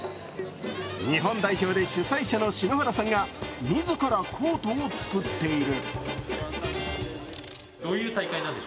日本代表で主催者の篠原さんが自らコートを作っている。